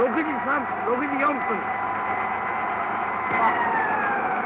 ６時４分。